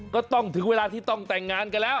ก็ต้องถึงเวลาที่ต้องแต่งงานกันแล้ว